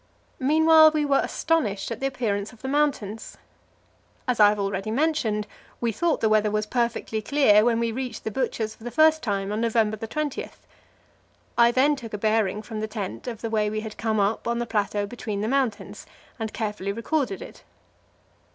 Meanwhile we were astonished at the appearance of the mountains. As I have already mentioned, we thought the weather was perfectly clear when we reached the Butcher's for the first time, on November 20. I then took a bearing from the tent of the way we had come up on to the plateau between the mountains, and carefully recorded it.